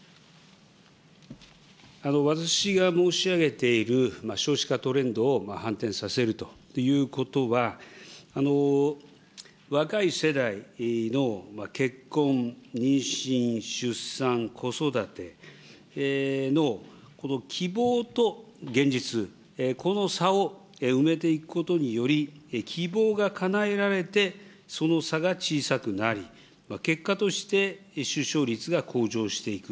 私が申し上げている少子化トレンドを反転させるということは、若い世代の結婚、妊娠、出産、子育ての、この希望と現実、この差を埋めていくことにより、希望がかなえられてその差が小さくなり、結果として出生率が向上していく。